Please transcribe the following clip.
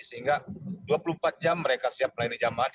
sehingga dua puluh empat jam mereka siap melayani jamaah